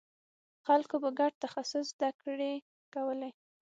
خلکو به ګډ تخصص زدکړې کولې.